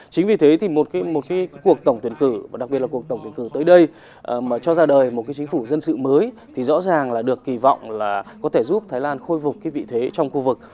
chính vì thế thì một cuộc tổng tuyển cử và đặc biệt là cuộc tổng tuyển cử tới đây mà cho ra đời một chính phủ dân sự mới thì rõ ràng là được kỳ vọng là có thể giúp thái lan khôi phục cái vị thế trong khu vực